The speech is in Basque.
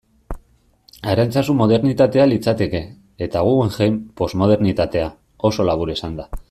Arantzazu modernitatea litzateke, eta Guggenheim, posmodernitatea, oso labur esanda.